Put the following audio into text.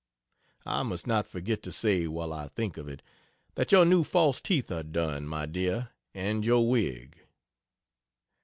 I must not forget to say, while I think of it, that your new false teeth are done, my dear, and your wig.